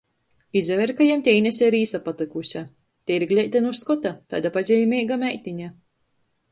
Izaver, ka jam tei Inese ir īsapatykuse. Teiri gleita nu skota, taida pazeimeiga meitine.